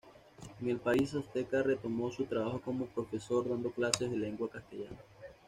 En el país azteca retomó su trabajo como profesor dando clases de lengua castellano.